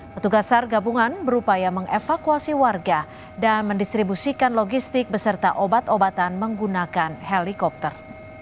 petugas sar gabungan berupaya mengevakuasi warga dan mendistribusikan logistik beserta obat obatan menggunakan helikopter